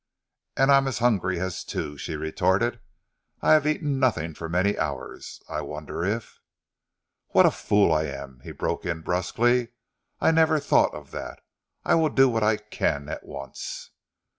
"And I am as hungry as two!" she retorted. "I have eaten nothing for many hours. I wonder if " "What a fool I am," he broke in brusquely. "I never thought of that. I will do what I can at once."